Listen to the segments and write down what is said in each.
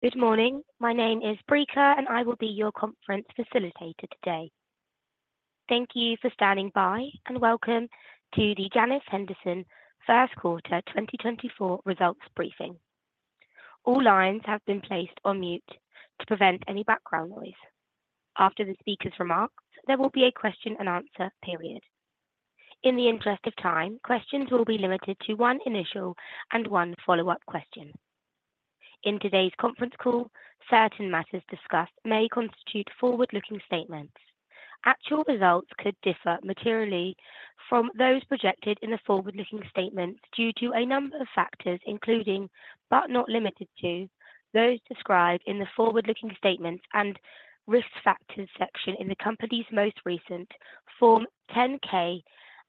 Good morning. My name is Brika, and I will be your conference facilitator today. Thank you for standing by, and welcome to the Janus Henderson First Quarter 2024 results briefing. All lines have been placed on mute to prevent any background noise. After the speaker's remarks, there will be a question-and-answer period. In the interest of time, questions will be limited to one initial and one follow-up question. In today's conference call, certain matters discussed may constitute forward-looking statements. Actual results could differ materially from those projected in the forward-looking statements due to a number of factors, including, but not limited to, those described in the forward-looking statements and risk factors section in the company's most recent Form 10-K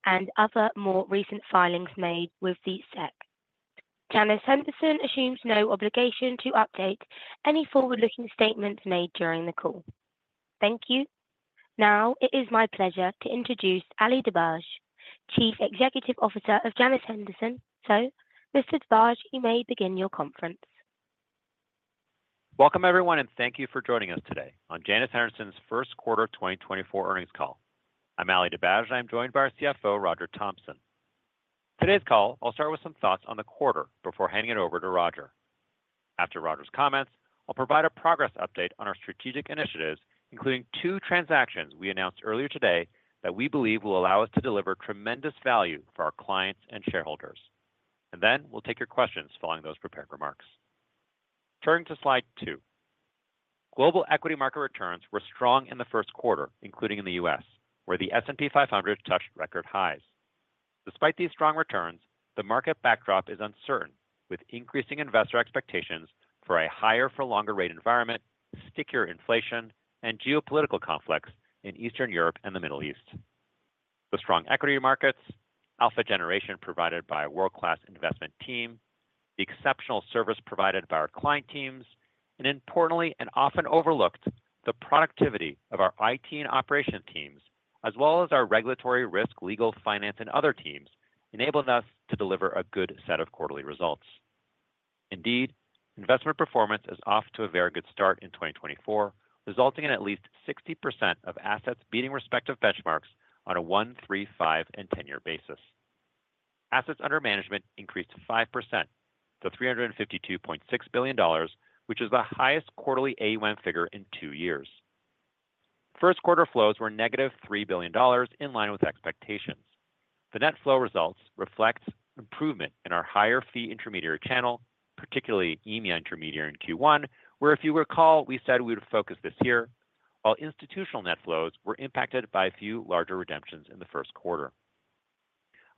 and other more recent filings made with the SEC. Janus Henderson assumes no obligation to update any forward-looking statements made during the call. Thank you. Now, it is my pleasure to introduce Ali Dibadj, Chief Executive Officer of Janus Henderson. So, Mr. Dibadj, you may begin your conference. Welcome, everyone, and thank you for joining us today on Janus Henderson's First Quarter 2024 earnings call. I'm Ali Dibadj, and I'm joined by our CFO, Roger Thompson. Today's call, I'll start with some thoughts on the quarter before handing it over to Roger. After Roger's comments, I'll provide a progress update on our strategic initiatives, including two transactions we announced earlier today that we believe will allow us to deliver tremendous value for our clients and shareholders. Then we'll take your questions following those prepared remarks. Turning to slide 2. Global equity market returns were strong in the first quarter, including in the U.S., where the S&P 500 touched record highs. Despite these strong returns, the market backdrop is uncertain, with increasing investor expectations for a higher-for-longer-rate environment, stickier inflation, and geopolitical conflicts in Eastern Europe and the Middle East. The strong equity markets, alpha generation provided by a world-class investment team, the exceptional service provided by our client teams, and importantly, and often overlooked, the productivity of our IT and operations teams, as well as our regulatory, risk, legal, finance, and other teams, enabled us to deliver a good set of quarterly results. Indeed, investment performance is off to a very good start in 2024, resulting in at least 60% of assets beating respective benchmarks on a 1, 3, 5, and 10-year basis. Assets under management increased 5% to $352.6 billion, which is the highest quarterly AUM figure in two years. First quarter flows were -$3 billion, in line with expectations. The net flow results reflect improvement in our higher-fee intermediary channel, particularly EMEA intermediary in Q1, where, if you recall, we said we would focus this year, while institutional net flows were impacted by a few larger redemptions in the first quarter.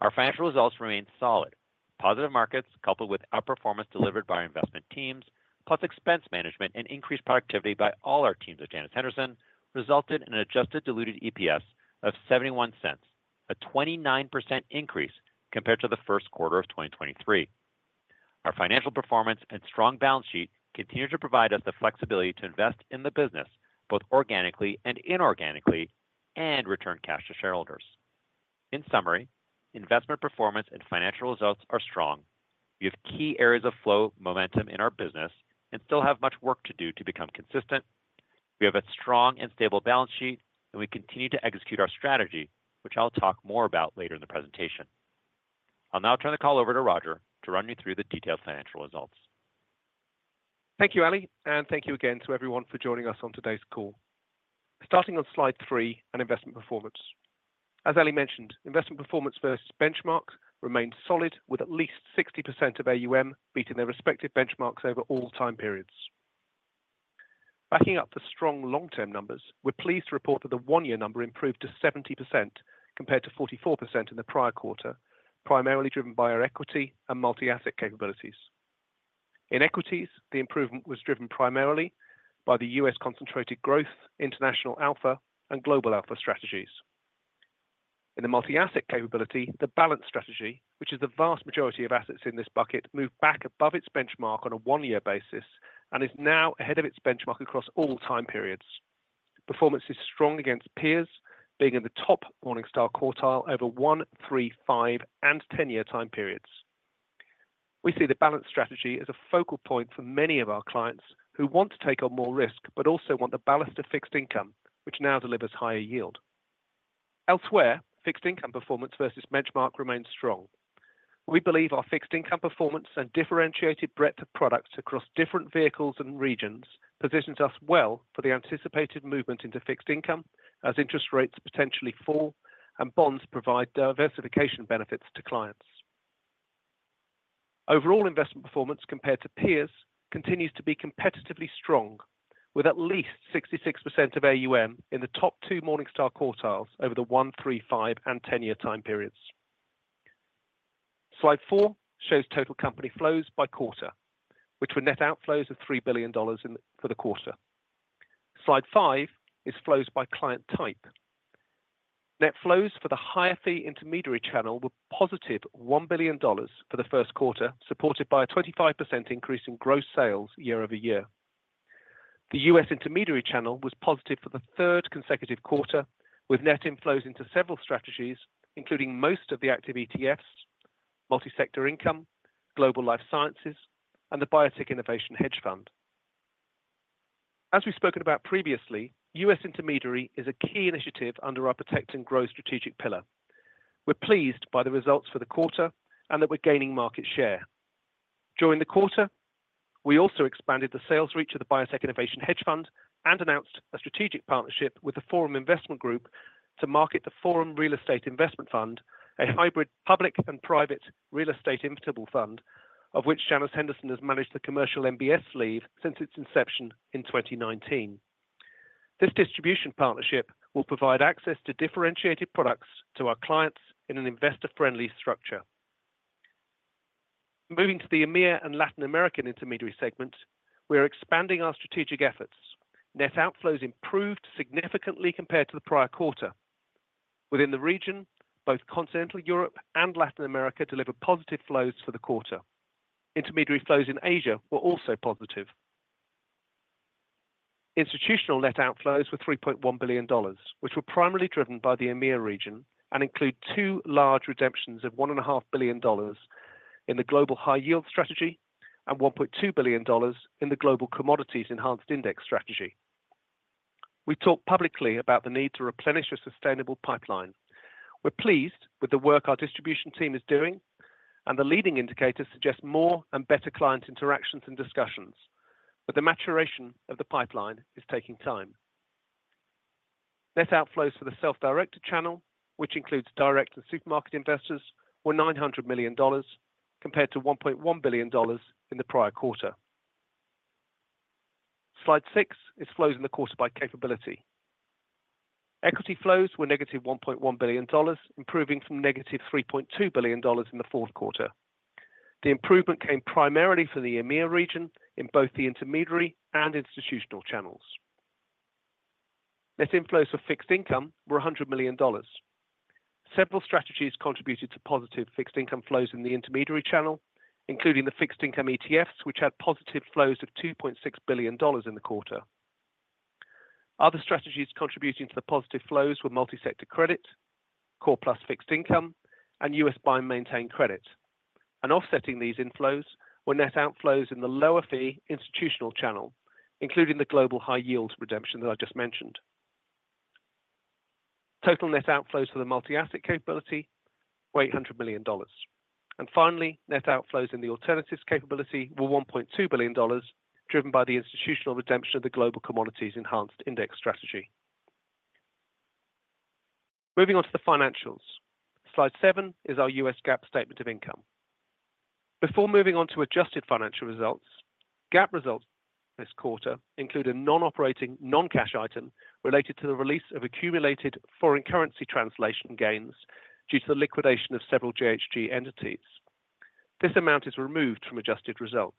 Our financial results remained solid. Positive markets coupled with outperformance delivered by our investment teams, plus expense management and increased productivity by all our teams at Janus Henderson, resulted in an adjusted diluted EPS of 0.71, a 29% increase compared to the first quarter of 2023. Our financial performance and strong balance sheet continue to provide us the flexibility to invest in the business both organically and inorganically and return cash to shareholders. In summary, investment performance and financial results are strong. We have key areas of flow momentum in our business and still have much work to do to become consistent. We have a strong and stable balance sheet, and we continue to execute our strategy, which I'll talk more about later in the presentation. I'll now turn the call over to Roger to run you through the detailed financial results. Thank you, Ali, and thank you again to everyone for joining us on today's call. Starting on slide 3 and investment performance. As Ali mentioned, investment performance versus benchmarks remained solid, with at least 60% of AUM beating their respective benchmarks over all time periods. Backing up the strong long-term numbers, we're pleased to report that the one-year number improved to 70% compared to 44% in the prior quarter, primarily driven by our equity and multi-asset capabilities. In equities, the improvement was driven primarily by the U.S. Concentrated Growth, International Alpha, and Global Alpha strategies. In the multi-asset capability, the Balanced strategy, which is the vast majority of assets in this bucket, moved back above its benchmark on a one-year basis and is now ahead of its benchmark across all time periods. Performance is strong against peers, being in the top Morningstar quartile over one, three, five, and 10-year time periods. We see the Balanced strategy as a focal point for many of our clients who want to take on more risk but also want the ballast of fixed income, which now delivers higher yield. Elsewhere, fixed income performance versus benchmark remains strong. We believe our fixed income performance and differentiated breadth of products across different vehicles and regions positions us well for the anticipated movement into fixed income, as interest rates potentially fall and bonds provide diversification benefits to clients. Overall investment performance compared to peers continues to be competitively strong, with at least 66% of AUM in the top two Morningstar quartiles over the one, three, five, and 10-year time periods. Slide 4 shows total company flows by quarter, which were net outflows of $3 billion for the quarter. Slide 5 is flows by client type. Net flows for the higher-fee intermediary channel were positive $1 billion for the first quarter, supported by a 25% increase in gross sales year-over-year. The U.S. intermediary channel was positive for the third consecutive quarter, with net inflows into several strategies, including most of the active ETFs, Multi-Sector Income, Global Life Sciences, and the Biotech Innovation hedge fund. As we've spoken about previously, U.S. intermediary is a key initiative under our protect and grow strategic pillar. We're pleased by the results for the quarter and that we're gaining market share. During the quarter, we also expanded the sales reach of the Biotech Innovation Fund and announced a strategic partnership with the Forum Investment Group to market the Forum Real Estate Income Fund, a hybrid public and private real estate interval fund of which Janus Henderson has managed the commercial MBS sleeve since its inception in 2019. This distribution partnership will provide access to differentiated products to our clients in an investor-friendly structure. Moving to the EMEA and Latin American intermediary segment, we are expanding our strategic efforts. Net outflows improved significantly compared to the prior quarter. Within the region, both Continental Europe and Latin America delivered positive flows for the quarter. Intermediary flows in Asia were also positive. Institutional net outflows were $3.1 billion, which were primarily driven by the EMEA region and include two large redemptions of $1.5 billion in the Global High Yield strategy and $1.2 billion in the Global Commodities Enhanced Index strategy. We talked publicly about the need to replenish a sustainable pipeline. We're pleased with the work our distribution team is doing, and the leading indicators suggest more and better client interactions and discussions. But the maturation of the pipeline is taking time. Net outflows for the self-directed channel, which includes direct and supermarket investors, were $900 million compared to $1.1 billion in the prior quarter. Slide 6 is flows in the quarter by capability. Equity flows were -$1.1 billion, improving from -$3.2 billion in the fourth quarter. The improvement came primarily for the EMEA region in both the intermediary and institutional channels. Net inflows for fixed income were $100 million. Several strategies contributed to positive fixed income flows in the intermediary channel, including the fixed income ETFs, which had positive flows of $2.6 billion in the quarter. Other strategies contributing to the positive flows were Multi-Sector Credit, Core Plus Fixed Income, and U.S. Buy and Maintain Credit. Offsetting these inflows were net outflows in the lower-fee institutional channel, including the Global High Yield redemption that I just mentioned. Total net outflows for the multi-asset capability were $800 million. Finally, net outflows in the alternatives capability were $1.2 billion, driven by the institutional redemption of the Global Commodities Enhanced Index strategy. Moving on to the financials. Slide 7 is our U.S. GAAP statement of income. Before moving on to adjusted financial results, GAAP results this quarter include a non-operating, non-cash item related to the release of accumulated foreign currency translation gains due to the liquidation of several JHG entities. This amount is removed from adjusted results.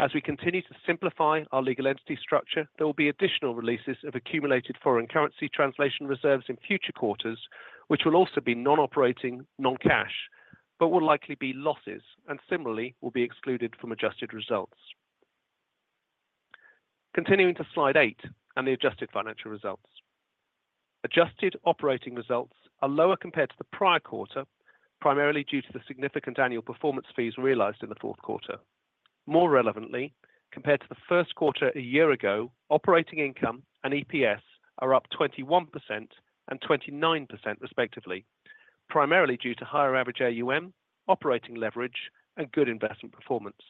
As we continue to simplify our legal entity structure, there will be additional releases of accumulated foreign currency translation reserves in future quarters, which will also be non-operating, non-cash, but will likely be losses and similarly will be excluded from adjusted results. Continuing to slide 8 and the adjusted financial results. Adjusted operating results are lower compared to the prior quarter, primarily due to the significant annual performance fees realized in the fourth quarter. More relevantly, compared to the first quarter a year ago, operating income and EPS are up 21% and 29% respectively, primarily due to higher average AUM, operating leverage, and good investment performance.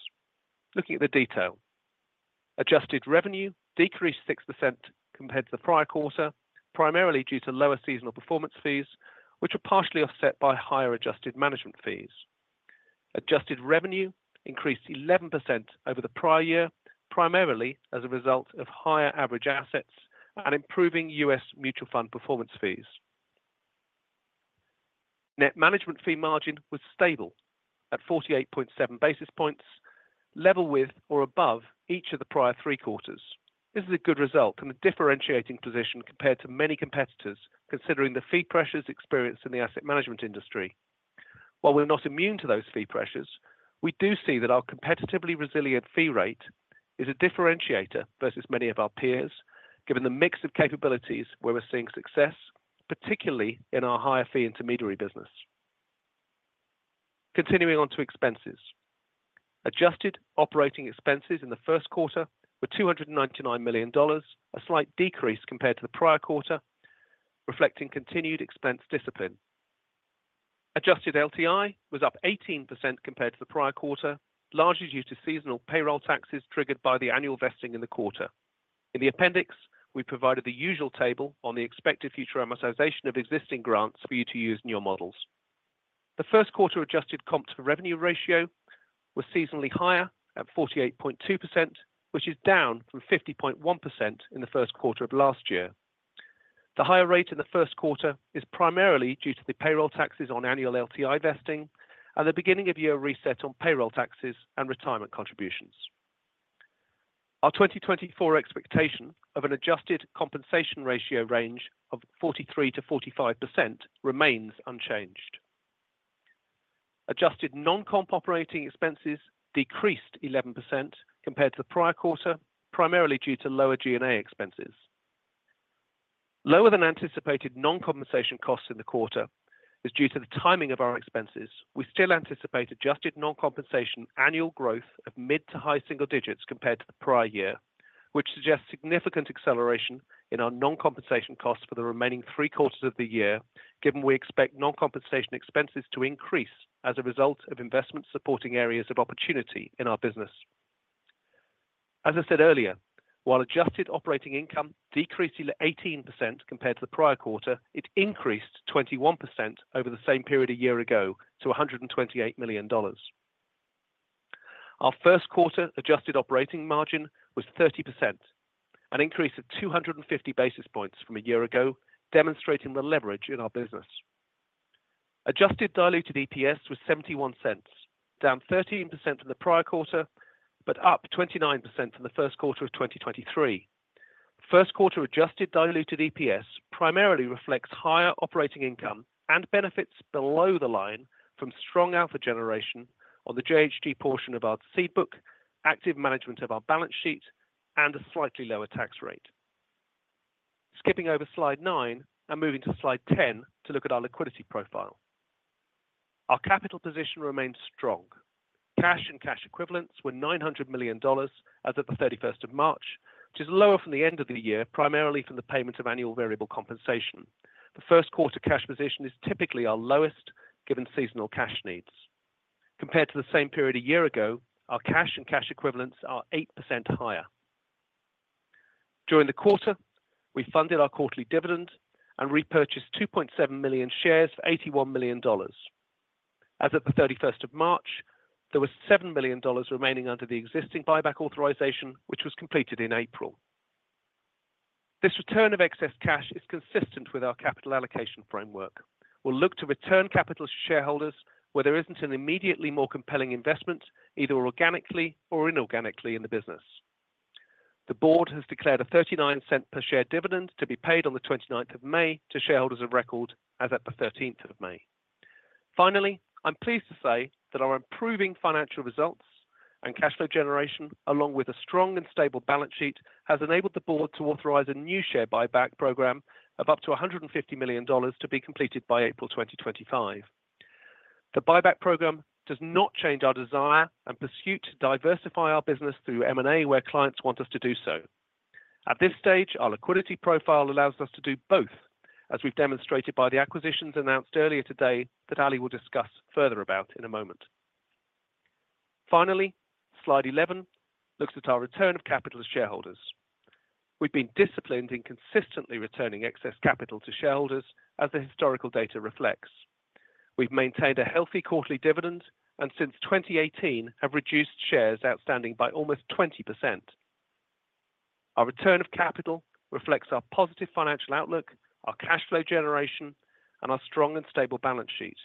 Looking at the detail, adjusted revenue decreased 6% compared to the prior quarter, primarily due to lower seasonal performance fees, which were partially offset by higher adjusted management fees. Adjusted revenue increased 11% over the prior year, primarily as a result of higher average assets and improving U.S. mutual fund performance fees. Net management fee margin was stable at 48.7 basis points, level with or above each of the prior three quarters. This is a good result and a differentiating position compared to many competitors, considering the fee pressures experienced in the asset management industry. While we're not immune to those fee pressures, we do see that our competitively resilient fee rate is a differentiator versus many of our peers, given the mix of capabilities where we're seeing success, particularly in our higher-fee intermediary business. Continuing on to expenses. Adjusted operating expenses in the first quarter were $299 million, a slight decrease compared to the prior quarter, reflecting continued expense discipline. Adjusted LTI was up 18% compared to the prior quarter, largely due to seasonal payroll taxes triggered by the annual vesting in the quarter. In the appendix, we provided the usual table on the expected future amortization of existing grants for you to use in your models. The first quarter adjusted comp to revenue ratio was seasonally higher at 48.2%, which is down from 50.1% in the first quarter of last year. The higher rate in the first quarter is primarily due to the payroll taxes on annual LTI vesting and the beginning of year reset on payroll taxes and retirement contributions. Our 2024 expectation of an adjusted compensation ratio range of 43%-45% remains unchanged. Adjusted non-comp operating expenses decreased 11% compared to the prior quarter, primarily due to lower G&A expenses. Lower than anticipated non-compensation costs in the quarter is due to the timing of our expenses. We still anticipate adjusted non-compensation annual growth of mid- to high-single digits compared to the prior year, which suggests significant acceleration in our non-compensation costs for the remaining three quarters of the year, given we expect non-compensation expenses to increase as a result of investment supporting areas of opportunity in our business. As I said earlier, while adjusted operating income decreased 18% compared to the prior quarter, it increased 21% over the same period a year ago to $128 million. Our first quarter adjusted operating margin was 30%, an increase of 250 basis points from a year ago, demonstrating the leverage in our business. Adjusted diluted EPS was 0.71, down 13% from the prior quarter, but up 29% from the first quarter of 2023. First quarter adjusted diluted EPS primarily reflects higher operating income and benefits below the line from strong alpha generation on the JHG portion of our seed book, active management of our balance sheet, and a slightly lower tax rate. Skipping over slide 9 and moving to slide 10 to look at our liquidity profile. Our capital position remains strong. Cash and cash equivalents were $900 million as of the 31st of March, which is lower from the end of the year, primarily from the payment of annual variable compensation. The first quarter cash position is typically our lowest, given seasonal cash needs. Compared to the same period a year ago, our cash and cash equivalents are 8% higher. During the quarter, we funded our quarterly dividend and repurchased 2.7 million shares for $81 million. As of the 31st of March, there was $7 million remaining under the existing buyback authorization, which was completed in April. This return of excess cash is consistent with our capital allocation framework. We'll look to return capital to shareholders where there isn't an immediately more compelling investment, either organically or inorganically, in the business. The board has declared a $0.39 per share dividend to be paid on the 29th of May to shareholders of record as of the 13th of May. Finally, I'm pleased to say that our improving financial results and cash flow generation, along with a strong and stable balance sheet, has enabled the board to authorize a new share buyback program of up to $150 million to be completed by April 2025. The buyback program does not change our desire and pursuit to diversify our business through M&A, where clients want us to do so. At this stage, our liquidity profile allows us to do both, as we've demonstrated by the acquisitions announced earlier today that Ali will discuss further about in a moment. Finally, slide 11 looks at our return of capital to shareholders. We've been disciplined in consistently returning excess capital to shareholders, as the historical data reflects. We've maintained a healthy quarterly dividend and, since 2018, have reduced shares outstanding by almost 20%. Our return of capital reflects our positive financial outlook, our cash flow generation, and our strong and stable balance sheet.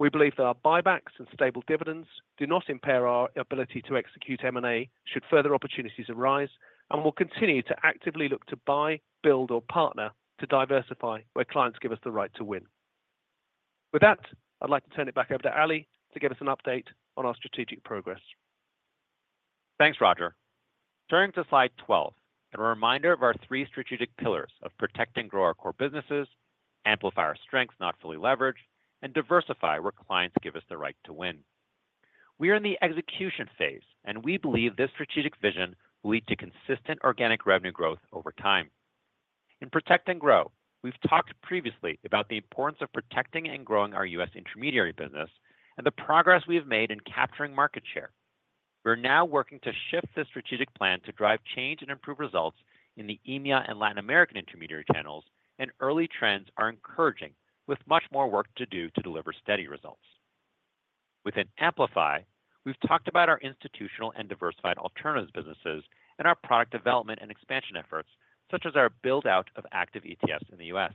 We believe that our buybacks and stable dividends do not impair our ability to execute M&A should further opportunities arise, and we'll continue to actively look to buy, build, or partner to diversify where clients give us the right to win. With that, I'd like to turn it back over to Ali to give us an update on our strategic progress. Thanks, Roger. Turning to slide 12 and a reminder of our three strategic pillars of protect and grow our core businesses, amplify our strengths not fully leveraged, and diversify where clients give us the right to win. We are in the execution phase, and we believe this strategic vision will lead to consistent organic revenue growth over time. In protect and grow, we've talked previously about the importance of protecting and growing our U.S. intermediary business and the progress we have made in capturing market share. We are now working to shift this strategic plan to drive change and improve results in the EMEA and Latin American intermediary channels, and early trends are encouraging, with much more work to do to deliver steady results. Within Amplify, we've talked about our institutional and diversified alternatives businesses and our product development and expansion efforts, such as our build-out of active ETFs in the U.S.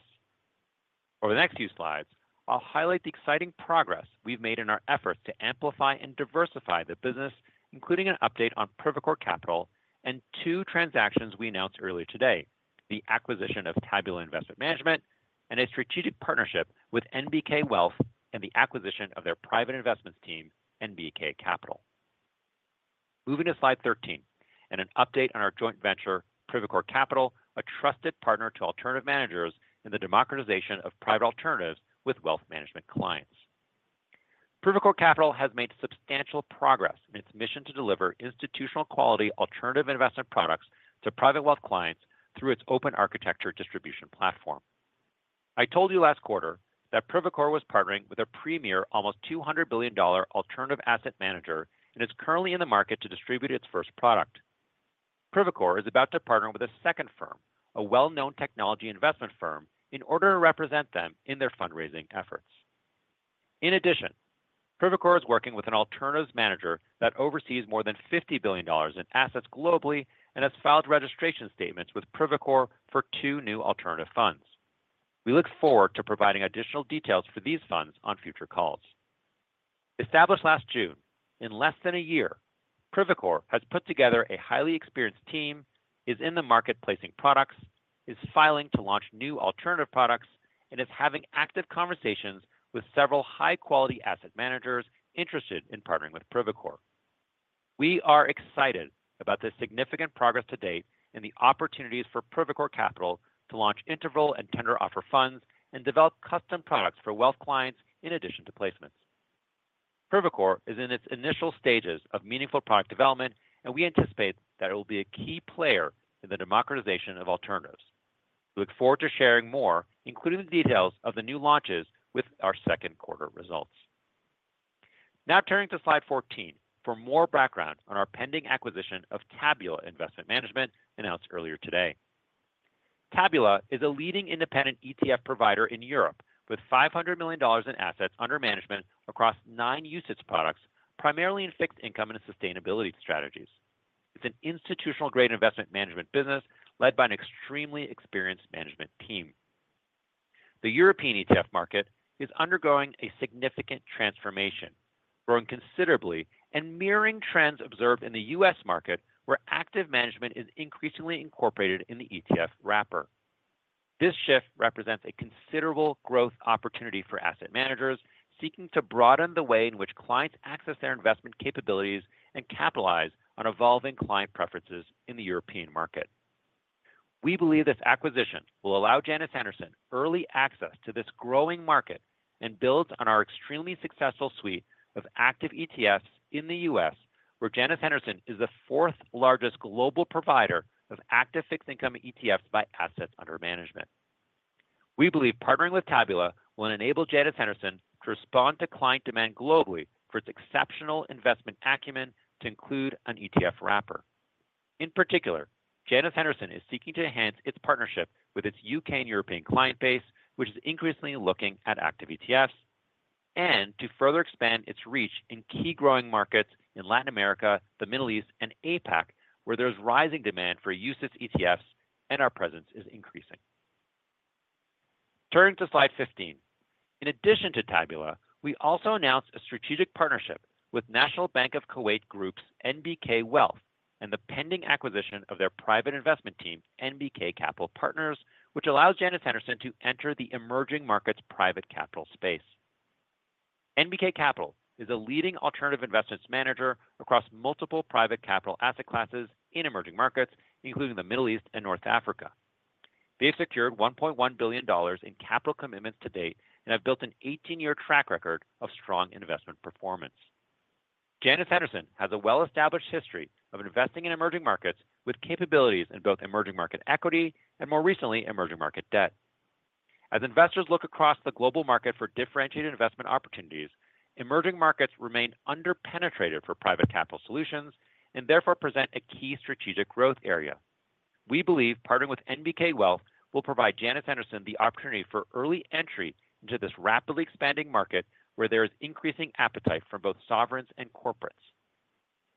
Over the next few slides, I'll highlight the exciting progress we've made in our efforts to amplify and diversify the business, including an update on Privacore Capital and two transactions we announced earlier today, the acquisition of Tabula Investment Management and a strategic partnership with NBK Wealth and the acquisition of their private investments team, NBK Capital. Moving to slide 13 and an update on our joint venture, Privacore Capital, a trusted partner to alternative managers in the democratization of private alternatives with wealth management clients. Privacore Capital has made substantial progress in its mission to deliver institutional quality alternative investment products to private wealth clients through its open architecture distribution platform. I told you last quarter that Privacore was partnering with a premier, almost $200 billion alternative asset manager and is currently in the market to distribute its first product. Privacore is about to partner with a second firm, a well-known technology investment firm, in order to represent them in their fundraising efforts. In addition, Privacore is working with an alternatives manager that oversees more than $50 billion in assets globally and has filed registration statements with Privacore for two new alternative funds. We look forward to providing additional details for these funds on future calls. Established last June, in less than a year, Privacore has put together a highly experienced team, is in the market placing products, is filing to launch new alternative products, and is having active conversations with several high-quality asset managers interested in partnering with Privacore. We are excited about the significant progress to date and the opportunities for Privacore Capital to launch interval and tender offer funds and develop custom products for wealth clients in addition to placements. Privacore is in its initial stages of meaningful product development, and we anticipate that it will be a key player in the democratization of alternatives. We look forward to sharing more, including the details of the new launches with our second quarter results. Now turning to slide 14 for more background on our pending acquisition of Tabula Investment Management, announced earlier today. Tabula is a leading independent ETF provider in Europe with $500 million in assets under management across nine UCITS products, primarily in fixed income and sustainability strategies. It's an institutional-grade investment management business led by an extremely experienced management team. The European ETF market is undergoing a significant transformation, growing considerably and mirroring trends observed in the U.S. market, where active management is increasingly incorporated in the ETF wrapper. This shift represents a considerable growth opportunity for asset managers seeking to broaden the way in which clients access their investment capabilities and capitalize on evolving client preferences in the European market. We believe this acquisition will allow Janus Henderson early access to this growing market and builds on our extremely successful suite of active ETFs in the U.S., where Janus Henderson is the fourth largest global provider of active fixed income ETFs by assets under management. We believe partnering with Tabula will enable Janus Henderson to respond to client demand globally for its exceptional investment acumen to include an ETF wrapper. In particular, Janus Henderson is seeking to enhance its partnership with its U.K. and European client base, which is increasingly looking at active ETFs, and to further expand its reach in key growing markets in Latin America, the Middle East, and APAC, where there's rising demand for UCITS ETFs and our presence is increasing. Turning to slide 15. In addition to Tabula, we also announced a strategic partnership with National Bank of Kuwait Group's NBK Wealth and the pending acquisition of their private investment team, NBK Capital Partners, which allows Janus Henderson to enter the emerging markets private capital space. NBK Capital is a leading alternative investments manager across multiple private capital asset classes in emerging markets, including the Middle East and North Africa. They have secured $1.1 billion in capital commitments to date and have built an 18-year track record of strong investment performance. Janus Henderson has a well-established history of investing in emerging markets with capabilities in both emerging market equity and, more recently, emerging market debt. As investors look across the global market for differentiated investment opportunities, emerging markets remain underpenetrated for private capital solutions and therefore present a key strategic growth area. We believe partnering with NBK Wealth will provide Janus Henderson the opportunity for early entry into this rapidly expanding market where there is increasing appetite from both sovereigns and corporates.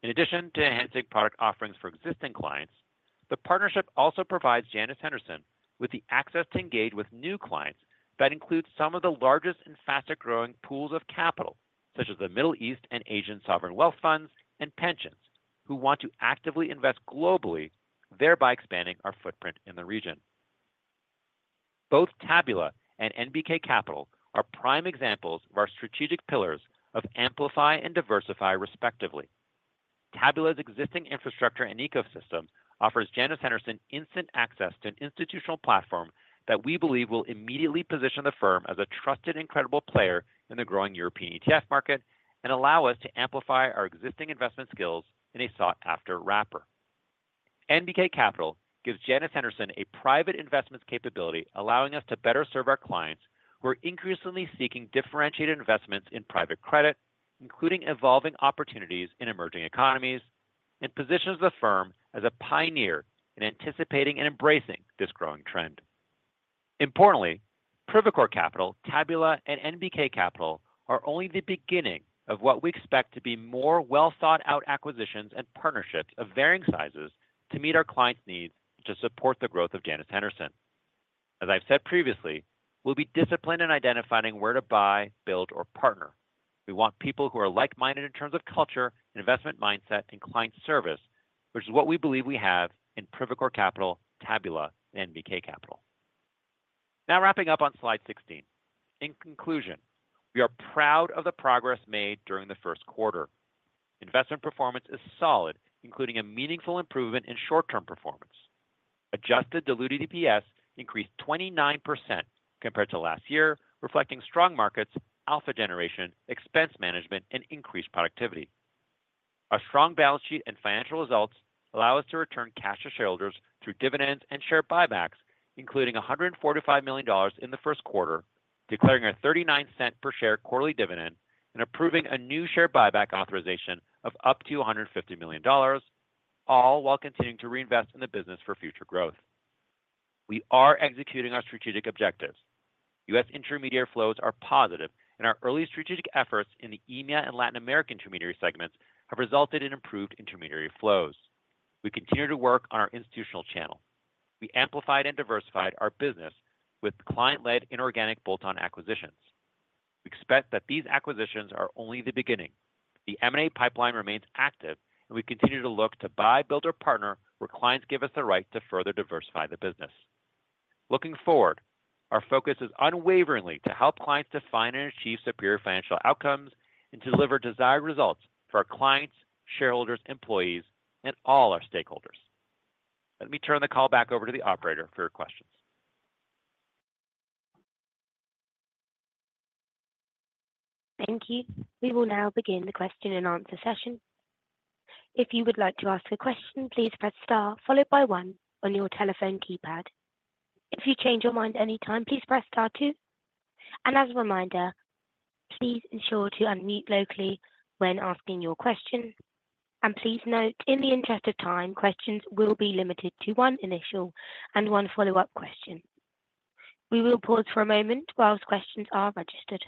In addition to enhancing product offerings for existing clients, the partnership also provides Janus Henderson with the access to engage with new clients that include some of the largest and fastest-growing pools of capital, such as the Middle East and Asian sovereign wealth funds and pensions, who want to actively invest globally, thereby expanding our footprint in the region. Both Tabula and NBK Capital are prime examples of our strategic pillars of amplify and diversify, respectively. Tabula's existing infrastructure and ecosystem offers Janus Henderson instant access to an institutional platform that we believe will immediately position the firm as a trusted, incredible player in the growing European ETF market and allow us to amplify our existing investment skills in a sought-after wrapper. NBK Capital gives Janus Henderson a private investments capability, allowing us to better serve our clients who are increasingly seeking differentiated investments in private credit, including evolving opportunities in emerging economies, and positions the firm as a pioneer in anticipating and embracing this growing trend. Importantly, Privacore Capital, Tabula, and NBK Capital are only the beginning of what we expect to be more well-thought-out acquisitions and partnerships of varying sizes to meet our clients' needs to support the growth of Janus Henderson. As I've said previously, we'll be disciplined in identifying where to buy, build, or partner. We want people who are like-minded in terms of culture, investment mindset, and client service, which is what we believe we have in Privacore Capital, Tabula, and NBK Capital. Now wrapping up on slide 16. In conclusion, we are proud of the progress made during the first quarter. Investment performance is solid, including a meaningful improvement in short-term performance. Adjusted diluted EPS increased 29% compared to last year, reflecting strong markets, alpha generation, expense management, and increased productivity. A strong balance sheet and financial results allow us to return cash to shareholders through dividends and share buybacks, including $145 million in the first quarter, declaring a $0.39 per share quarterly dividend, and approving a new share buyback authorization of up to $150 million, all while continuing to reinvest in the business for future growth. We are executing our strategic objectives. U.S. intermediary flows are positive, and our early strategic efforts in the EMEA and Latin American intermediary segments have resulted in improved intermediary flows. We continue to work on our institutional channel. We amplified and diversified our business with client-led inorganic bolt-on acquisitions. We expect that these acquisitions are only the beginning. The M&A pipeline remains active, and we continue to look to buy, build, or partner where clients give us the right to further diversify the business. Looking forward, our focus is unwaveringly to help clients define and achieve superior financial outcomes and to deliver desired results for our clients, shareholders, employees, and all our stakeholders. Let me turn the call back over to the operator for your questions. Thank you. We will now begin the question and answer session. If you would like to ask a question, please press star, followed by one, on your telephone keypad. If you change your mind anytime, please press star two. As a reminder, please ensure to unmute locally when asking your question. Please note, in the interest of time, questions will be limited to one initial and one follow-up question. We will pause for a moment while questions are registered.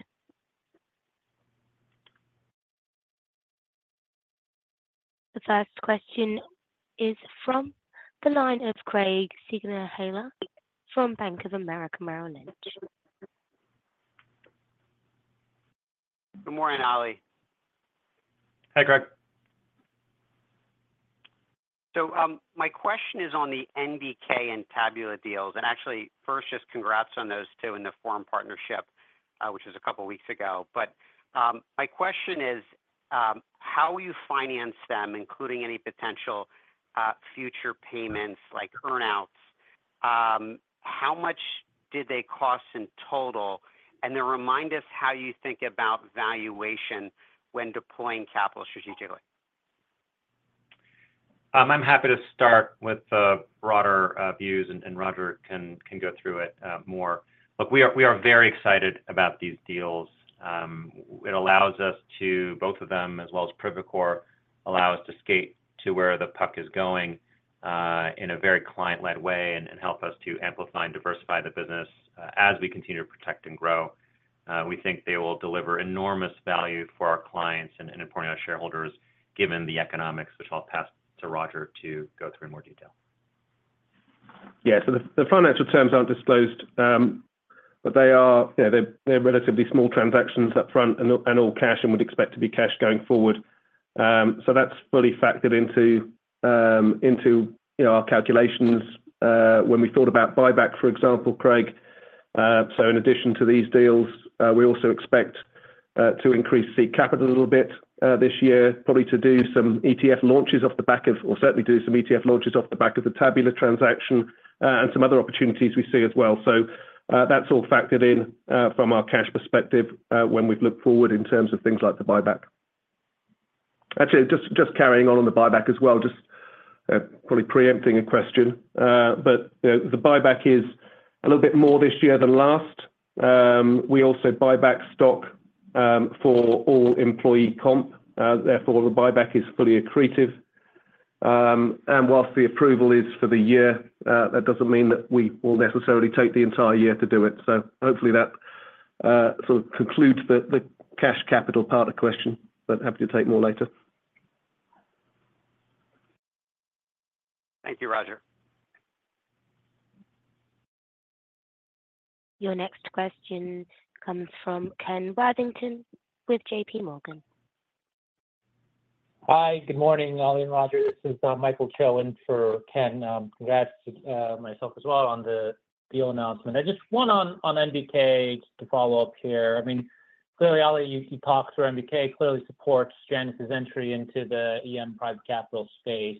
The first question is from the line of Craig Siegenthaler from Bank of America. Good morning, Ali. Hi, Craig. My question is on the NBK and Tabula deals. Actually, first, just congrats on those two and the Forum partnership, which was a couple of weeks ago. But my question is, how will you finance them, including any potential future payments like earnouts? How much did they cost in total? And then remind us how you think about valuation when deploying capital strategically. I'm happy to start with the broader views, and Roger can go through it more. Look, we are very excited about these deals. It allows us to both of them, as well as Privacore, allow us to skate to where the puck is going in a very client-led way and help us to amplify and diversify the business as we continue to protect and grow. We think they will deliver enormous value for our clients and importantly our shareholders, given the economics, which I'll pass to Roger to go through in more detail. Yeah. So the financial terms aren't disclosed, but they are relatively small transactions upfront and all cash and would expect to be cash going forward. So that's fully factored into our calculations when we thought about buyback, for example, Craig. So in addition to these deals, we also expect to increase seed capital a little bit this year, probably to do some ETF launches off the back of or certainly do some ETF launches off the back of the Tabula transaction and some other opportunities we see as well. So that's all factored in from our cash perspective when we've looked forward in terms of things like the buyback. Actually, just carrying on the buyback as well, just probably preempting a question. But the buyback is a little bit more this year than last. We also buyback stock for all employee comp. Therefore, the buyback is fully accretive. While the approval is for the year, that doesn't mean that we will necessarily take the entire year to do it. So hopefully, that sort of concludes the cash capital part of the question, but happy to take more later. Thank you, Roger. Your next question comes from Ken Worthington with JPMorgan. Hi. Good morning, Ali and Roger. This is Michael Cho for Ken. Congrats to myself as well on the deal announcement. And just one on NBK to follow up here. I mean, clearly, Ali, you talked through NBK clearly supports Janus's entry into the EM private capital space.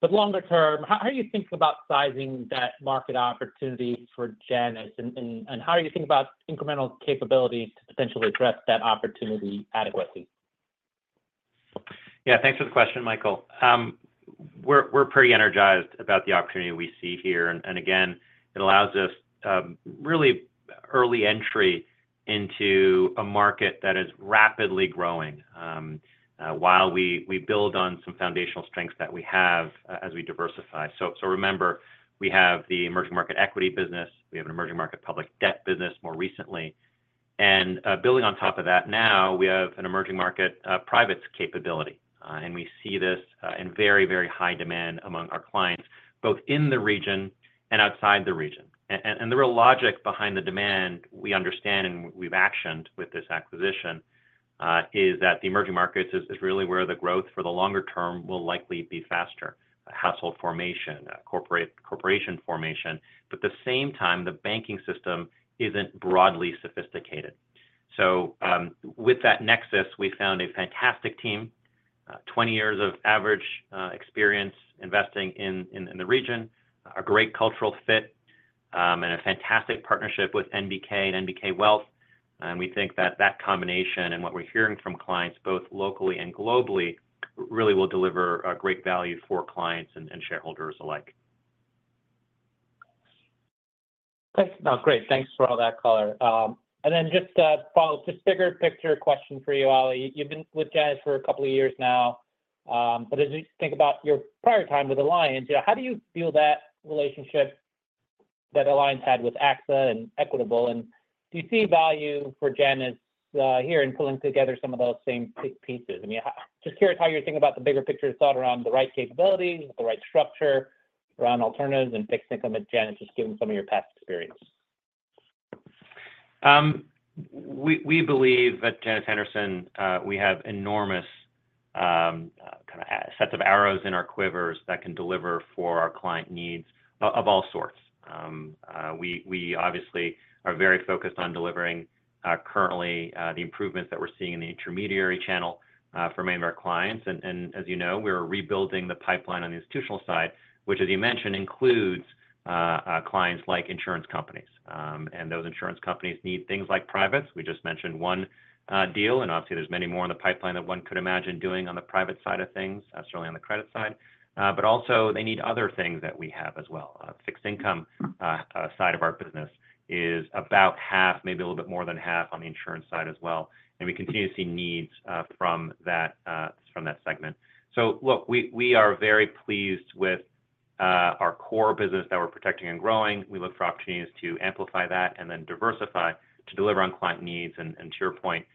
But longer term, how do you think about sizing that market opportunity for Janus, and how do you think about incremental capabilities to potentially address that opportunity adequately? Yeah. Thanks for the question, Michael. We're pretty energized about the opportunity we see here. And again, it allows us really early entry into a market that is rapidly growing while we build on some foundational strengths that we have as we diversify. So remember, we have the emerging market equity business. We have an emerging market public debt business more recently. And building on top of that now, we have an emerging market privates capability. And we see this in very, very high demand among our clients, both in the region and outside the region. And the real logic behind the demand we understand and we've actioned with this acquisition is that the emerging markets is really where the growth for the longer term will likely be faster: household formation, corporation formation. But at the same time, the banking system isn't broadly sophisticated. With that nexus, we found a fantastic team, 20 years of average experience investing in the region, a great cultural fit, and a fantastic partnership with NBK and NBK Wealth. We think that that combination and what we're hearing from clients, both locally and globally, really will deliver great value for clients and shareholders alike. Great. Thanks for all that color. And then just a bigger picture question for you, Ali. You've been with Janus for a couple of years now. But as you think about your prior time with Alliance, how do you feel that relationship that Alliance had with AXA and Equitable? And do you see value for Janus here in pulling together some of those same big pieces? I mean, just curious how you're thinking about the bigger picture thought around the right capabilities, the right structure around alternatives and fixed income at Janus, just given some of your past experience? We believe at Janus Henderson, we have enormous kind of sets of arrows in our quivers that can deliver for our client needs of all sorts. We obviously are very focused on delivering currently the improvements that we're seeing in the intermediary channel for many of our clients. And as you know, we're rebuilding the pipeline on the institutional side, which, as you mentioned, includes clients like insurance companies. And those insurance companies need things like privates. We just mentioned one deal. And obviously, there's many more in the pipeline than one could imagine doing on the private side of things, certainly on the credit side. But also, they need other things that we have as well. Fixed income side of our business is about half, maybe a little bit more than half, on the insurance side as well. And we continue to see needs from that segment. Look, we are very pleased with our core business that we're protecting and growing. We look for opportunities to amplify that and then diversify to deliver on client needs. To your point,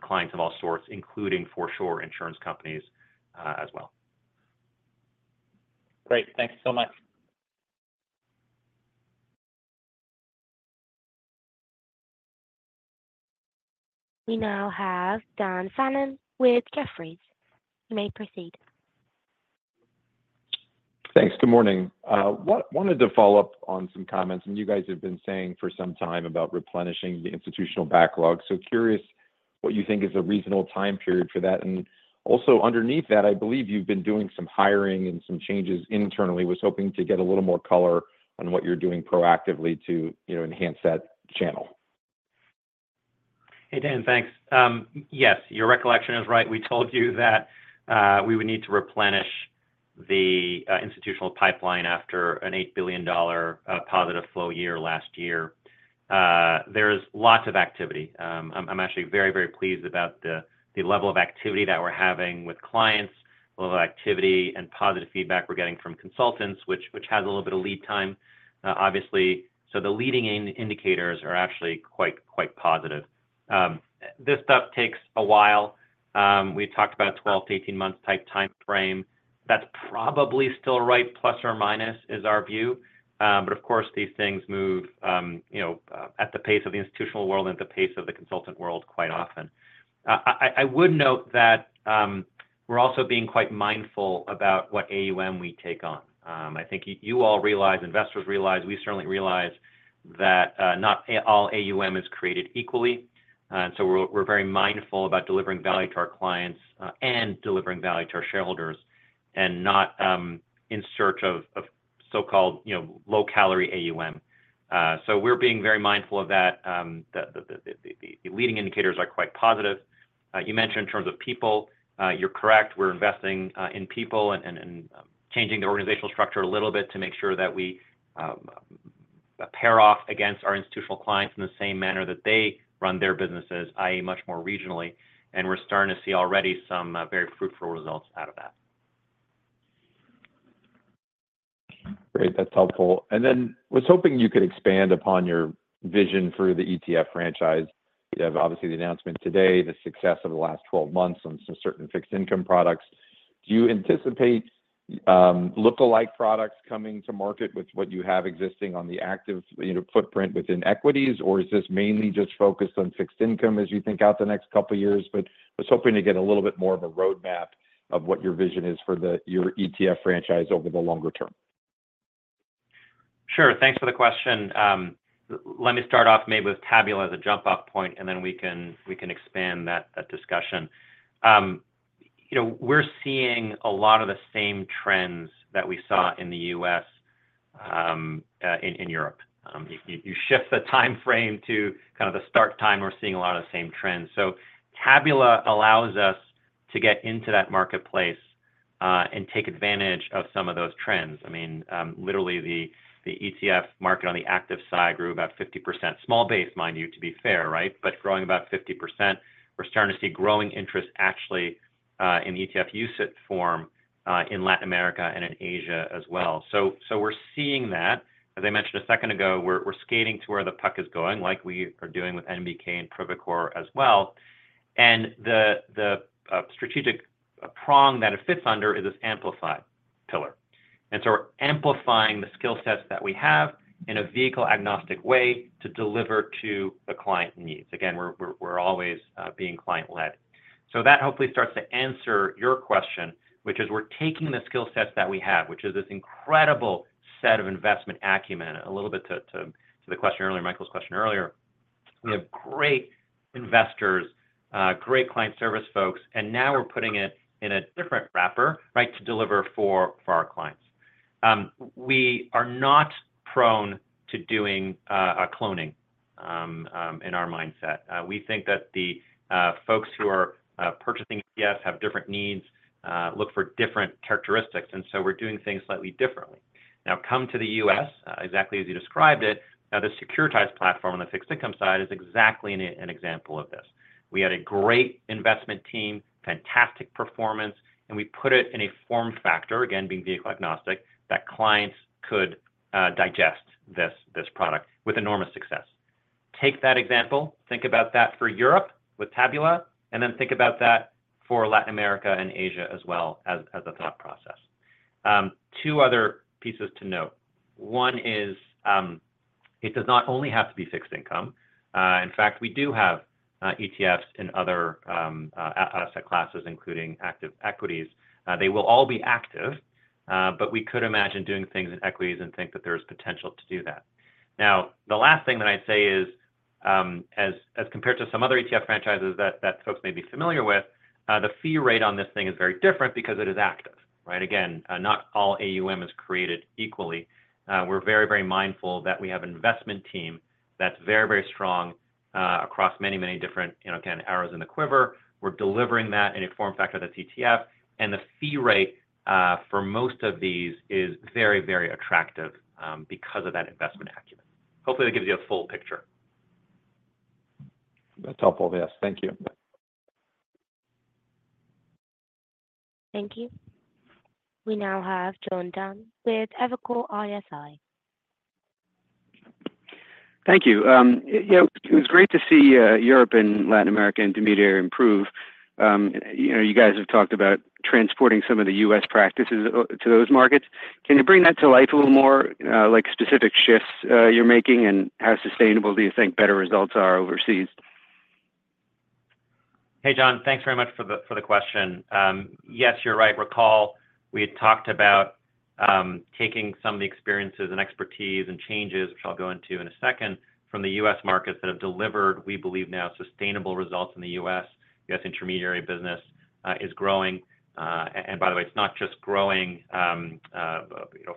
clients of all sorts, including for sure insurance companies as well. Great. Thanks so much. We now have Dan Fannon with Jefferies. You may proceed. Thanks. Good morning. Wanted to follow up on some comments. You guys have been saying for some time about replenishing the institutional backlog. Curious what you think is a reasonable time period for that. Also underneath that, I believe you've been doing some hiring and some changes internally. Was hoping to get a little more color on what you're doing proactively to enhance that channel. Hey, Dan. Thanks. Yes, your recollection is right. We told you that we would need to replenish the institutional pipeline after an $8 billion positive flow year last year. There is lots of activity. I'm actually very, very pleased about the level of activity that we're having with clients, the level of activity and positive feedback we're getting from consultants, which has a little bit of lead time, obviously. So the leading indicators are actually quite positive. This stuff takes a while. We talked about a 12-18-month type time frame. That's probably still right, plus or minus, is our view. But of course, these things move at the pace of the institutional world and at the pace of the consultant world quite often. I would note that we're also being quite mindful about what AUM we take on. I think you all realize, investors realize, we certainly realize that not all AUM is created equally. We're very mindful about delivering value to our clients and delivering value to our shareholders and not in search of so-called low-calorie AUM. We're being very mindful of that. The leading indicators are quite positive. You mentioned in terms of people, you're correct. We're investing in people and changing the organizational structure a little bit to make sure that we pair off against our institutional clients in the same manner that they run their businesses, i.e., much more regionally. We're starting to see already some very fruitful results out of that. Great. That's helpful. And then was hoping you could expand upon your vision for the ETF franchise. You have obviously the announcement today, the success of the last 12 months on some certain fixed income products. Do you anticipate lookalike products coming to market with what you have existing on the active footprint within equities, or is this mainly just focused on fixed income as you think out the next couple of years? But was hoping to get a little bit more of a roadmap of what your vision is for your ETF franchise over the longer term. Sure. Thanks for the question. Let me start off maybe with Tabula as a jump-off point, and then we can expand that discussion. We're seeing a lot of the same trends that we saw in the U.S. in Europe. You shift the time frame to kind of the start time, we're seeing a lot of the same trends. So Tabula allows us to get into that marketplace and take advantage of some of those trends. I mean, literally, the ETF market on the active side grew about 50%. Small base, mind you, to be fair, right? But growing about 50%, we're starting to see growing interest actually in ETF use form in Latin America and in Asia as well. So we're seeing that. As I mentioned a second ago, we're skating to where the puck is going, like we are doing with NBK and Privacore as well. And the strategic prong that it fits under is this amplified pillar. And so we're amplifying the skill sets that we have in a vehicle-agnostic way to deliver to the client needs. Again, we're always being client-led. So that hopefully starts to answer your question, which is we're taking the skill sets that we have, which is this incredible set of investment acumen, a little bit to the question earlier, Michael's question earlier. We have great investors, great client service folks, and now we're putting it in a different wrapper, right, to deliver for our clients. We are not prone to doing cloning in our mindset. We think that the folks who are purchasing ETFs have different needs, look for different characteristics. And so we're doing things slightly differently. Now, come to the U.S., exactly as you described it, the securitized platform on the fixed income side is exactly an example of this. We had a great investment team, fantastic performance, and we put it in a form factor, again, being vehicle-agnostic, that clients could digest this product with enormous success. Take that example. Think about that for Europe with Tabula, and then think about that for Latin America and Asia as well as the thought process. Two other pieces to note. One is it does not only have to be fixed income. In fact, we do have ETFs in other asset classes, including active equities. They will all be active, but we could imagine doing things in equities and think that there is potential to do that. Now, the last thing that I'd say is, as compared to some other ETF franchises that folks may be familiar with, the fee rate on this thing is very different because it is active, right? Again, not all AUM is created equally. We're very, very mindful that we have an investment team that's very, very strong across many, many different, again, arrows in the quiver. We're delivering that in a form factor that's ETF. And the fee rate for most of these is very, very attractive because of that investment acumen. Hopefully, that gives you a full picture. That's helpful. Yes. Thank you. Thank you. We now have John Dunn with Evercore ISI. Thank you. It was great to see Europe and Latin America intermediaries improve. You guys have talked about transporting some of the U.S. practices to those markets. Can you bring that to life a little more, like specific shifts you're making, and how sustainable do you think better results are overseas? Hey, John. Thanks very much for the question. Yes, you're right. Recall, we had talked about taking some of the experiences and expertise and changes, which I'll go into in a second, from the U.S. markets that have delivered, we believe now, sustainable results in the U.S. U.S. intermediary business is growing. And by the way, it's not just growing.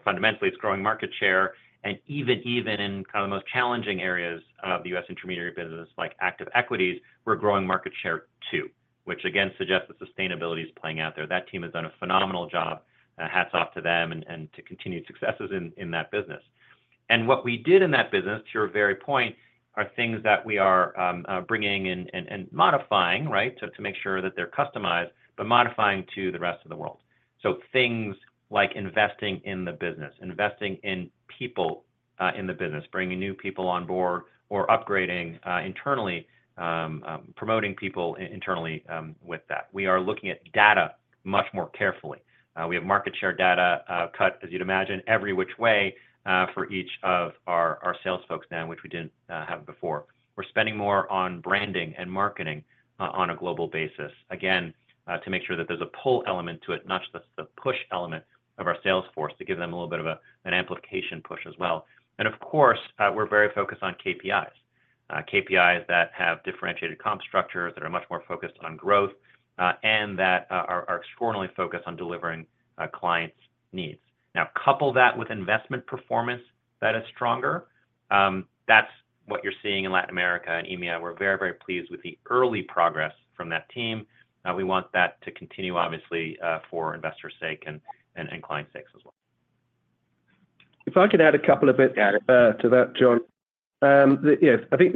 Fundamentally, it's growing market share. And even in kind of the most challenging areas of the U.S. intermediary business, like active equities, we're growing market share too, which again suggests the sustainability is playing out there. That team has done a phenomenal job. Hats off to them and to continued successes in that business. And what we did in that business, to your very point, are things that we are bringing in and modifying, right, to make sure that they're customized, but modifying to the rest of the world. So things like investing in the business, investing in people in the business, bringing new people on board, or upgrading internally, promoting people internally with that. We are looking at data much more carefully. We have market share data cut, as you'd imagine, every which way for each of our sales folks now, which we didn't have before. We're spending more on branding and marketing on a global basis, again, to make sure that there's a pull element to it, not just the push element of our sales force, to give them a little bit of an amplification push as well. And of course, we're very focused on KPIs, KPIs that have differentiated comp structures that are much more focused on growth and that are extraordinarily focused on delivering clients' needs. Now, couple that with investment performance that is stronger. That's what you're seeing in Latin America and EMEA. We're very, very pleased with the early progress from that team. We want that to continue, obviously, for investors' sake and clients' sakes as well. If I could add a couple of bits to that, John. Yes, I think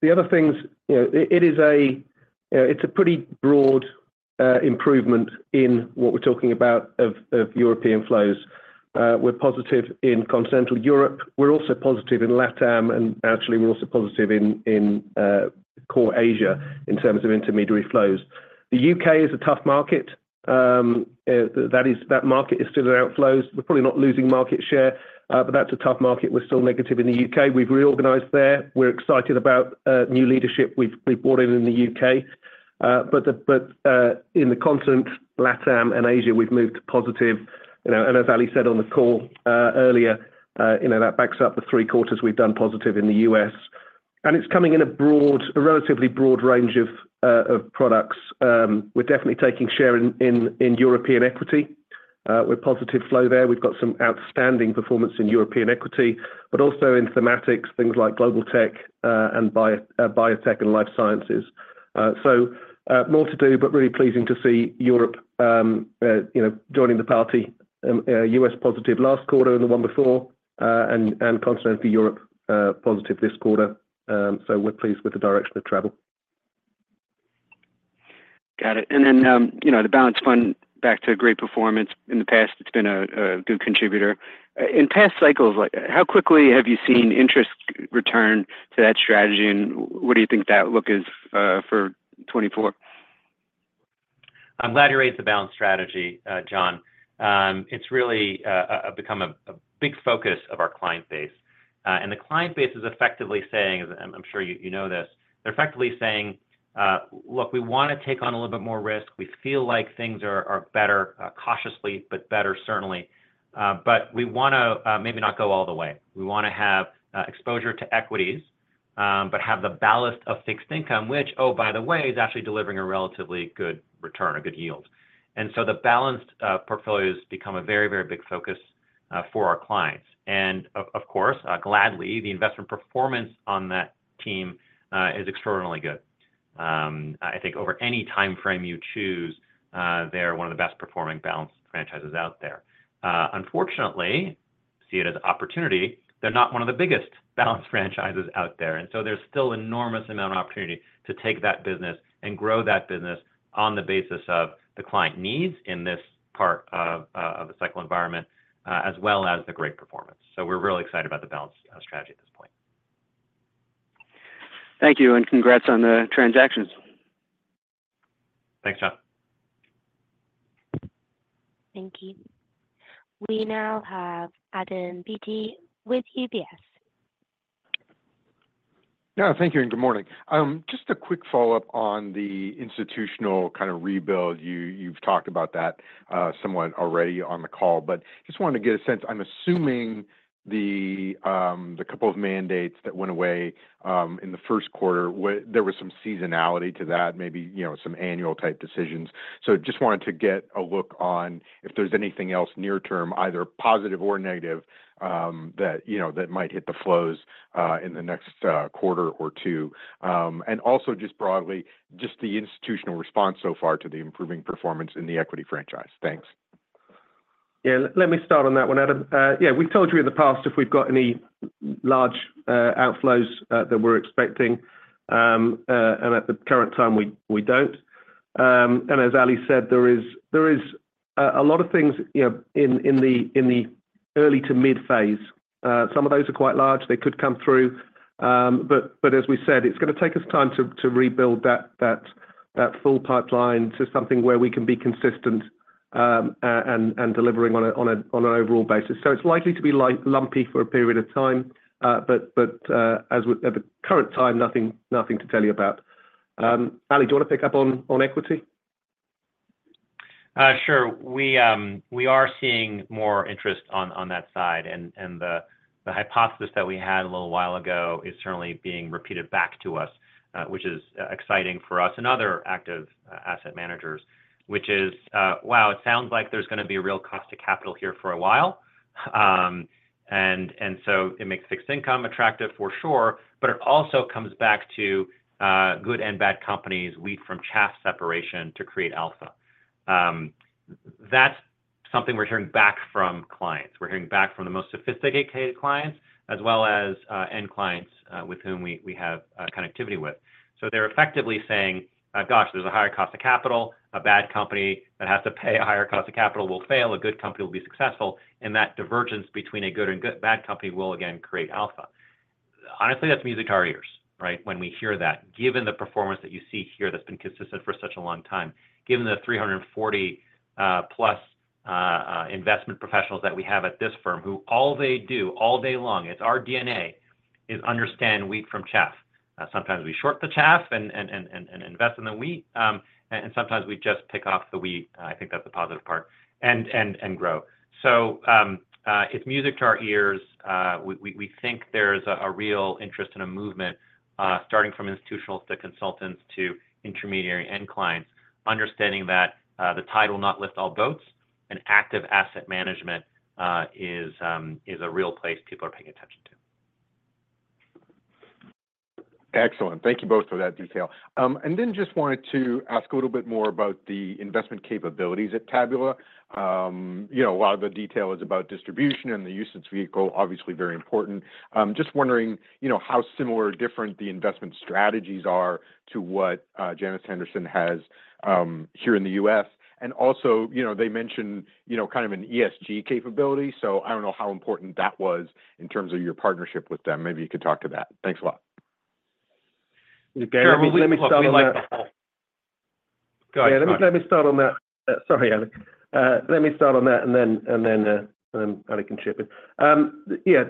the other things, it's a pretty broad improvement in what we're talking about of European flows. We're positive in Continental Europe. We're also positive in LATAM. And actually, we're also positive in core Asia in terms of intermediary flows. The U.K. is a tough market. That market is still in outflows. We're probably not losing market share, but that's a tough market. We're still negative in the U.K. We've reorganized there. We're excited about new leadership we've brought in in the U.K. But in the continent, LATAM and Asia, we've moved to positive. And as Ali said on the call earlier, that backs up the three quarters we've done positive in the U.S. And it's coming in a relatively broad range of products. We're definitely taking share in European equity. We're positive flow there. We've got some outstanding performance in European equity, but also in thematics, things like Global Tech and Biotech and Life Sciences. So more to do, but really pleasing to see Europe joining the party. U.S. positive last quarter and the one before, and Continental Europe positive this quarter. So we're pleased with the direction of travel. Got it. And then the Balanced Fund, back to great performance. In the past, it's been a good contributor. In past cycles, how quickly have you seen interest return to that strategy? And what do you think that looks like for 2024? I'm glad you raised the Balanced strategy, John. It's really become a big focus of our client base. The client base is effectively saying, and I'm sure you know this, they're effectively saying, "Look, we want to take on a little bit more risk. We feel like things are better, cautiously, but better, certainly. But we want to maybe not go all the way. We want to have exposure to equities, but have the ballast of fixed income, which, oh, by the way, is actually delivering a relatively good return, a good yield." So the Balanced portfolio has become a very, very big focus for our clients. Of course, gladly, the investment performance on that team is extraordinarily good. I think over any time frame you choose, they're one of the best performing balanced franchises out there. Unfortunately, see it as opportunity. They're not one of the biggest balanced franchises out there. And so there's still an enormous amount of opportunity to take that business and grow that business on the basis of the client needs in this part of the cycle environment as well as the great performance. So we're really excited about the Balanced strategy at this point. Thank you. Congrats on the transactions. Thanks, John. Thank you. We now have Adam Beatty with UBS. Yeah. Thank you. And good morning. Just a quick follow-up on the institutional kind of rebuild. You've talked about that somewhat already on the call, but just wanted to get a sense. I'm assuming the couple of mandates that went away in the first quarter; there was some seasonality to that, maybe some annual-type decisions. So just wanted to get a look on if there's anything else near term, either positive or negative, that might hit the flows in the next quarter or two. And also just broadly, just the institutional response so far to the improving performance in the equity franchise. Thanks. Yeah. Let me start on that one, Adam. Yeah, we've told you in the past if we've got any large outflows that we're expecting. And at the current time, we don't. And as Ali said, there is a lot of things in the early to mid-phase. Some of those are quite large. They could come through. But as we said, it's going to take us time to rebuild that full pipeline to something where we can be consistent and delivering on an overall basis. So it's likely to be lumpy for a period of time, but at the current time, nothing to tell you about. Ali, do you want to pick up on equity? Sure. We are seeing more interest on that side. The hypothesis that we had a little while ago is certainly being repeated back to us, which is exciting for us and other active asset managers, which is, "Wow, it sounds like there's going to be a real cost of capital here for a while." So it makes fixed income attractive for sure, but it also comes back to good and bad companies wheat from chaff separation to create alpha. That's something we're hearing back from clients. We're hearing back from the most sophisticated clients as well as end clients with whom we have connectivity with. So they're effectively saying, "Gosh, there's a higher cost of capital. A bad company that has to pay a higher cost of capital will fail. A good company will be successful. And that divergence between a good and bad company will, again, create alpha." Honestly, that's music to our ears, right, when we hear that, given the performance that you see here that's been consistent for such a long time, given the 340+ investment professionals that we have at this firm who all they do all day long, it's our DNA, is understand wheat from chaff. Sometimes we short the chaff and invest in the wheat. And sometimes we just pick off the wheat. I think that's the positive part. And grow. So it's music to our ears. We think there's a real interest in a movement starting from institutionals to consultants to intermediary end clients, understanding that the tide will not lift all boats, and active asset management is a real place people are paying attention to. Excellent. Thank you both for that detail. And then just wanted to ask a little bit more about the investment capabilities at Tabula. A lot of the detail is about distribution and the UCITS vehicle, obviously very important. Just wondering how similar or different the investment strategies are to what Janus Henderson has here in the U.S. And also, they mentioned kind of an ESG capability. So I don't know how important that was in terms of your partnership with them. Maybe you could talk to that. Thanks a lot. Yeah. Let me start on that. Sorry, Ali. Let me start on that, and then Ali can chip in. Yeah.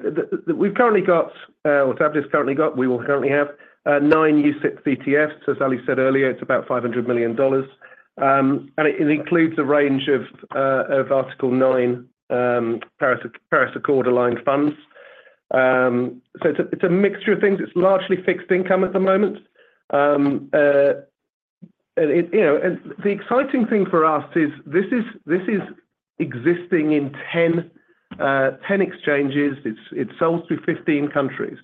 We've currently got, or Tabula's currently got, we will currently have 9 UCITS ETFs. As Ali said earlier, it's about $500 million. And it includes a range of Article 9 Paris Accord-aligned funds. So it's a mixture of things. It's largely fixed income at the moment. And the exciting thing for us is this is existing in 10 exchanges. It's sold through 15 countries.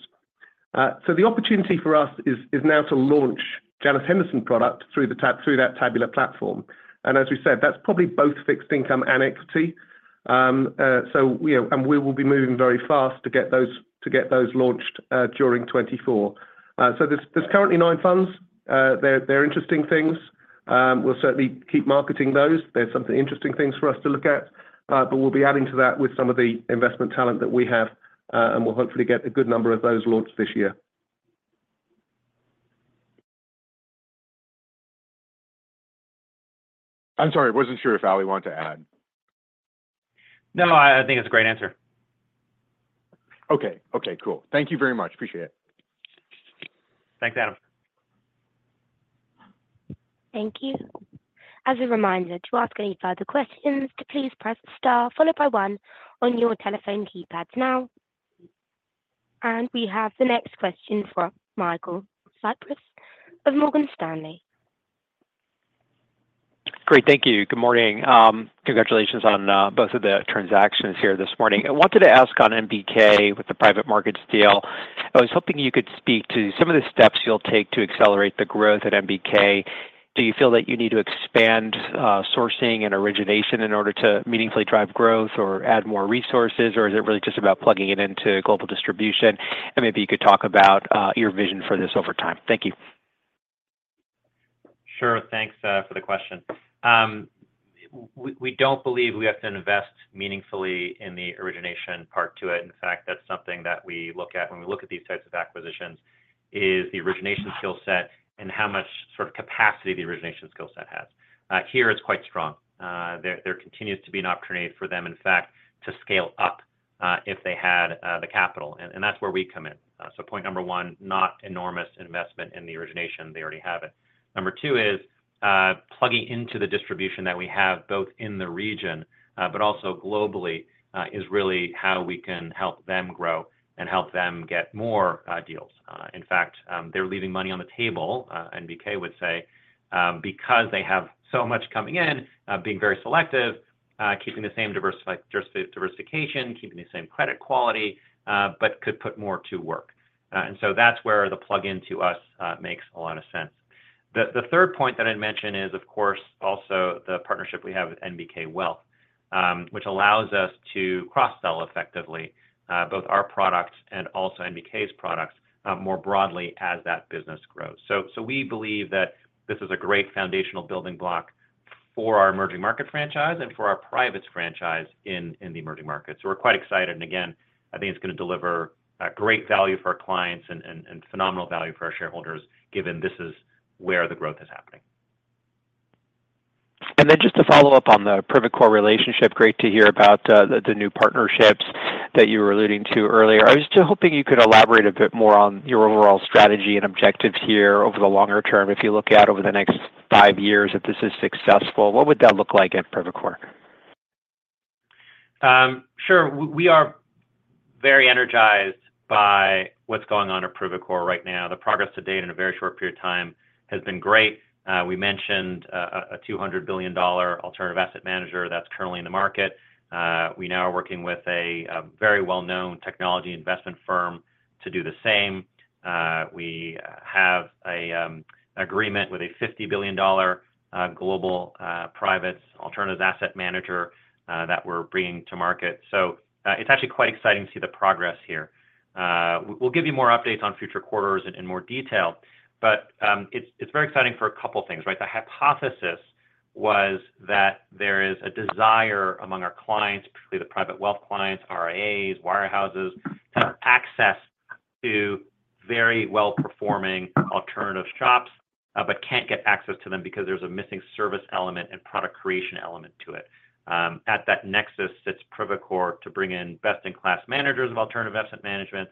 So the opportunity for us is now to launch Janus Henderson product through that Tabula platform. And as we said, that's probably both fixed income and equity. And we will be moving very fast to get those launched during 2024. So there's currently 9 funds. They're interesting things. We'll certainly keep marketing those. They're some interesting things for us to look at. But we'll be adding to that with some of the investment talent that we have. And we'll hopefully get a good number of those launched this year. I'm sorry. I wasn't sure if Ali wanted to add. No, I think it's a great answer. Okay. Okay. Cool. Thank you very much. Appreciate it. Thanks, Adam. Thank you. As a reminder, to ask any further questions, please press star followed by one on your telephone keypads now. We have the next question from Michael Cyprys of Morgan Stanley. Great. Thank you. Good morning. Congratulations on both of the transactions here this morning. I wanted to ask on NBK with the private markets deal. I was hoping you could speak to some of the steps you'll take to accelerate the growth at NBK. Do you feel that you need to expand sourcing and origination in order to meaningfully drive growth or add more resources, or is it really just about plugging it into global distribution? And maybe you could talk about your vision for this over time. Thank you. Sure. Thanks for the question. We don't believe we have to invest meaningfully in the origination part to it. In fact, that's something that we look at when we look at these types of acquisitions, is the origination skill set and how much sort of capacity the origination skill set has. Here, it's quite strong. There continues to be an opportunity for them, in fact, to scale up if they had the capital. And that's where we come in. So point number one, not enormous investment in the origination. They already have it. Number two is plugging into the distribution that we have both in the region, but also globally, is really how we can help them grow and help them get more deals. In fact, they're leaving money on the table, NBK would say, because they have so much coming in, being very selective, keeping the same diversification, keeping the same credit quality, but could put more to work. And so that's where the plug-in to us makes a lot of sense. The third point that I'd mention is, of course, also the partnership we have with NBK Wealth, which allows us to cross-sell effectively both our products and also NBK's products more broadly as that business grows. So we believe that this is a great foundational building block for our emerging market franchise and for our private franchise in the emerging markets. So we're quite excited. And again, I think it's going to deliver great value for our clients and phenomenal value for our shareholders, given this is where the growth is happening. Just to follow up on the Privacore relationship, great to hear about the new partnerships that you were alluding to earlier. I was just hoping you could elaborate a bit more on your overall strategy and objectives here over the longer term. If you look at over the next five years that this is successful, what would that look like at Privacore? Sure. We are very energized by what's going on at Privacore right now. The progress to date in a very short period of time has been great. We mentioned a $200 billion alternative asset manager that's currently in the market. We now are working with a very well-known technology investment firm to do the same. We have an agreement with a $50 billion global private alternative asset manager that we're bringing to market. So it's actually quite exciting to see the progress here. We'll give you more updates on future quarters in more detail. But it's very exciting for a couple of things, right? The hypothesis was that there is a desire among our clients, particularly the private wealth clients, RIAs, wirehouses, to have access to very well-performing alternative shops, but can't get access to them because there's a missing service element and product creation element to it. At that nexus, it's Privacore to bring in best-in-class managers of alternative asset management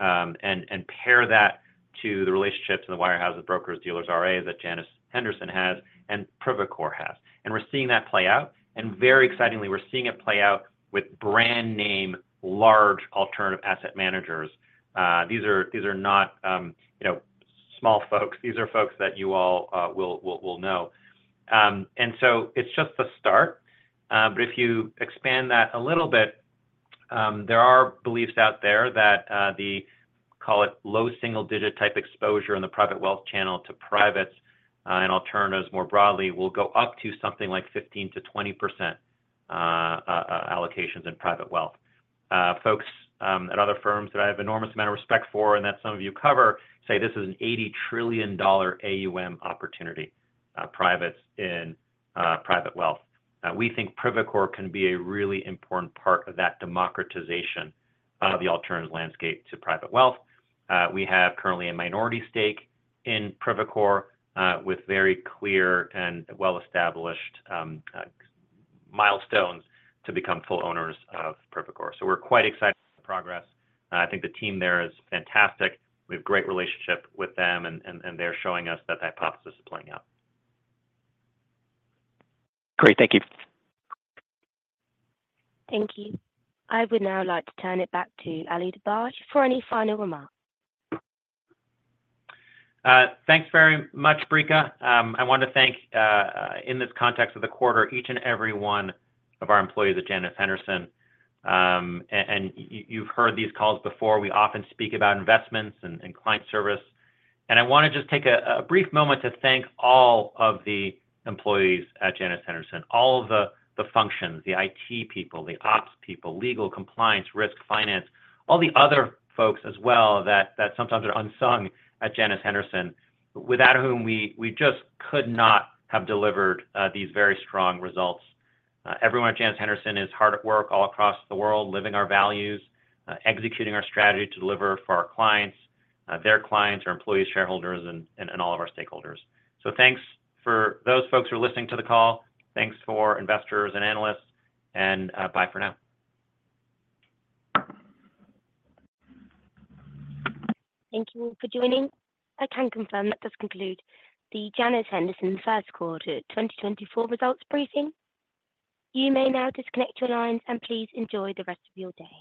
and pair that to the relationships and the wirehouses, brokers, dealers, RIAs that Janus Henderson has and Privacore has. And we're seeing that play out. And very excitingly, we're seeing it play out with brand-name large alternative asset managers. These are not small folks. These are folks that you all will know. And so it's just the start. But if you expand that a little bit, there are beliefs out there that the, call it, low single-digit type exposure in the private wealth channel to privates and alternatives more broadly will go up to something like 15%-20% allocations in private wealth. Folks at other firms that I have an enormous amount of respect for, and that some of you cover, say, "This is an $80 trillion AUM opportunity, privates in private wealth." We think Privacore Capital can be a really important part of that democratization of the alternative landscape to private wealth. We have currently a minority stake in Privacore Capital with very clear and well-established milestones to become full owners of Privacore Capital. So we're quite excited about the progress. I think the team there is fantastic. We have a great relationship with them, and they're showing us that the hypothesis is playing out. Great. Thank you. Thank you. I would now like to turn it back to Ali Dibadj for any final remark. Thanks very much, Brika. I want to thank, in this context of the quarter, each and every one of our employees at Janus Henderson. You've heard these calls before. We often speak about investments and client service. I want to just take a brief moment to thank all of the employees at Janus Henderson, all of the functions, the IT people, the ops people, legal, compliance, risk, finance, all the other folks as well that sometimes are unsung at Janus Henderson, without whom we just could not have delivered these very strong results. Everyone at Janus Henderson is hard at work all across the world, living our values, executing our strategy to deliver for our clients, their clients, our employees, shareholders, and all of our stakeholders. Thanks for those folks who are listening to the call. Thanks for investors and analysts. Bye for now. Thank you for joining. I can confirm that this concludes the Janus Henderson first quarter 2024 results briefing. You may now disconnect your lines, and please enjoy the rest of your day.